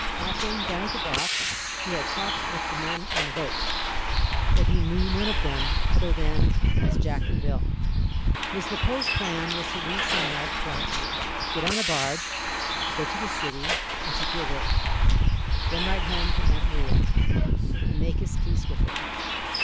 Often down at the dock he had talked with the men on the boats, but he knew none of them other than as Jack and Bill. His proposed plan was to leave some night quietly, get on a barge, go to the city, and secure work; then write home to Aunt Maria, and make his peace with her.